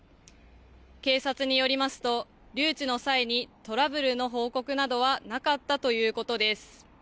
警察によりますと留置の際にトラブルの報告などはなかったということです。